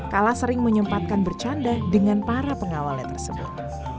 kala sering menyempatkan bercanda dengan para pengawalnya tersebut